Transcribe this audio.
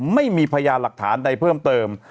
ไม่มีพยานหลักฐานใดเพิ่มเติม